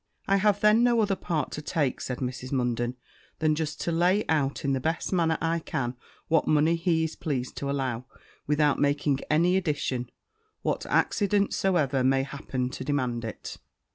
'I have then no other part to take,' said Mrs. Munden, 'than just to lay out, in the best manner I can, what money he is pleased to allow, without making any addition, what accidents soever may happen to demand it.'